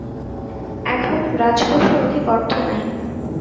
এখন রাজকোষে অধিক অর্থ নাই।